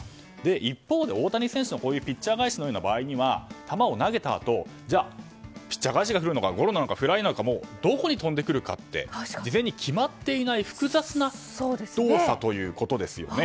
一方で大谷選手のこういうピッチャー返しのような場合は球を投げたあとじゃあピッチャー返しが来るのかゴロなのかフライなのかどこに飛んでくるかって事前に決まっていない複雑な動作ということですね。